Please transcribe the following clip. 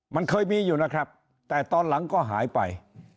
มันเคยมีอยู่นะครับแต่ตอนหลังก็หายไป